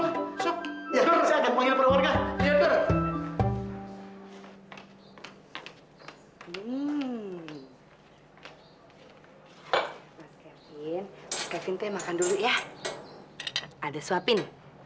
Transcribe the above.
mas kevin mas kevinte makan dulu ya ada suapin